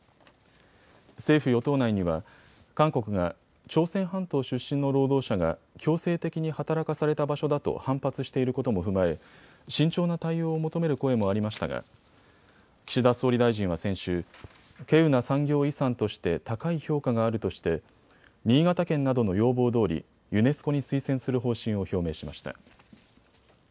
政府与党内には韓国が朝鮮半島出身の労働者が強制的に働かされた場所だと反発していることも踏まえ慎重な対応を求める声もありましたが岸田総理大臣は先週、けうな産業遺産として高い評価があるとして新潟県などの要望どおりユネスコに推薦する方針を表明しました。